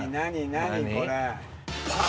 何これ？